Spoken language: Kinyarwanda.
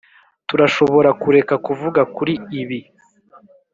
turashobora kureka kuvuga kuri ibi?